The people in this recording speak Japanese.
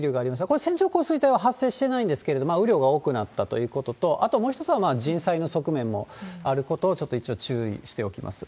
これ、線状降水帯は発生してないんですけれども、雨量が多くなったということと、あともう一つは、人災の側面もあることを、ちょっと一応注意しておきます。